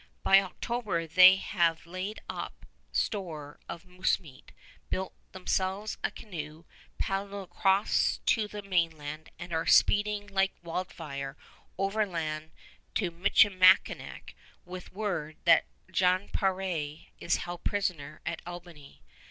By October they have laid up store of moose meat, built themselves a canoe, paddled across to the mainland, and are speeding like wildfire overland to Michilimackinac with word that Jan Peré is held prisoner at Albany.